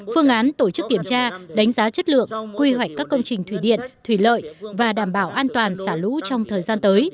phương án tổ chức kiểm tra đánh giá chất lượng quy hoạch các công trình thủy điện thủy lợi và đảm bảo an toàn xả lũ trong thời gian tới